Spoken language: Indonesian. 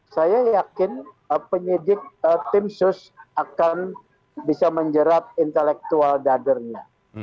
saya yakin penyidik tim sus akan bisa menjerat intelektual dadernya